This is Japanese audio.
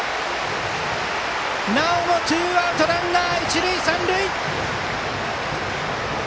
なおもツーアウトランナー、一塁三塁！